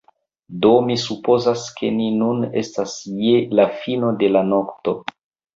Do, mi supozas ke ni nun estas je la fino de la nokto.